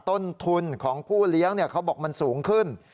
ต้นทุนของผู้เลี้ยงเขาบอกมันสูงขึ้น